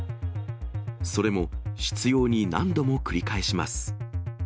それも執ように何度も繰り返します。